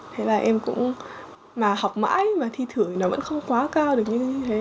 thế là em cũng mà học mãi mà thi thử nó vẫn không quá cao được như thế